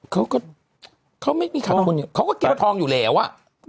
เขาก็เขาไม่มีขาดทุนอยู่เขาก็เก็บทองอยู่แล้วอ่ะ